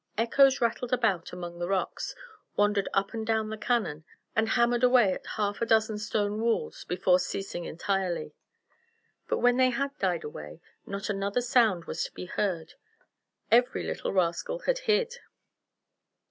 Echoes rattled about among the rocks, wandered up and down the canon, and hammered away at half a dozen stone walls before ceasing entirely. But when they had died away, not another sound was to be heard. Every little rascal had hid.